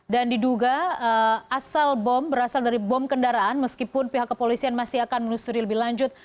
dan diduga asal bom berasal dari bom kendaraan meskipun pihak kepolisian masih akan menelusuri lebih lanjut